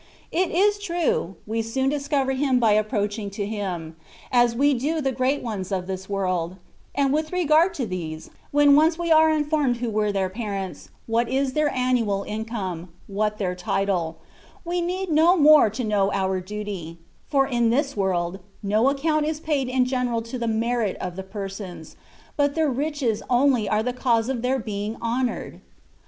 It is true, we soon discover Him by approaching to Him, as we do the great ones of this world ; and with regard to these, when once we are informed who were their parents, what is their annual income, what their title, we need no more to know our duty ; for in this world, no account is paid in general to the merit of the persons, but their riches only are the cause of their being honoured.